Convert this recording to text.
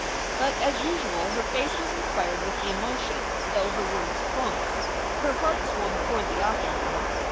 But, as usual, her face was inspired with the emotion, though her words flunked. Her heart swung toward the author now.